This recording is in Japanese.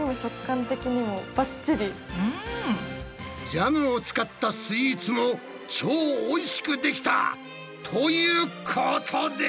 ジャムを使ったスイーツも超おいしくできた！ということで！